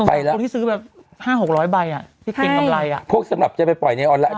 คนที่ซื้อแบบห้าหกร้อยใบอ่ะที่กินกำไรอ่ะพวกสำหรับจะไปปล่อยในออนไลน์